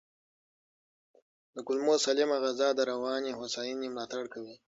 د کولمو سالمه غذا د رواني هوساینې ملاتړ کوي.